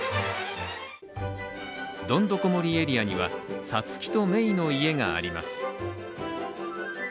どんどこ森エリアにはサツキとメイの家があります。